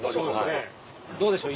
どうでしょう？